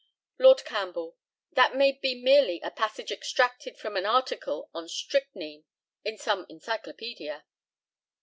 Lord CAMPBELL: That may be merely a passage extracted from an article on "Strychnine" in some encyclopædia.